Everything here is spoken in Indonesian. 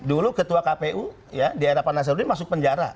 dulu ketua kpu di era panasarudi masuk penjara